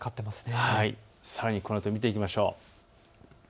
さらにこのあと見ていきましょう。